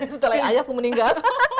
setelah ayahku meninggal